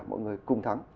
mọi người cùng thắng